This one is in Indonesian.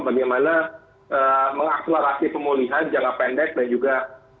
bagaimana mengakselerasi pemulihan jangka pendek dan juga